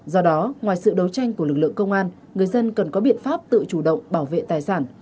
do đó ngoài sự đấu tranh của lực lượng công an người dân cần có biện pháp tự chủ động bảo vệ tài sản